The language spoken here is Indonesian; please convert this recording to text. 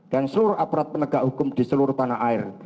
dan seluruh aparat penegak hukum di seluruh tanah air